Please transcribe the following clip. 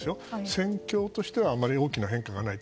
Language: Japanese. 戦況としてはあまり大きな変化はない。